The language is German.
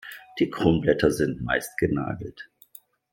Die Kronblätter sind meist genagelt.